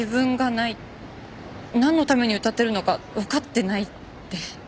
何のために歌ってるのか分かってないって。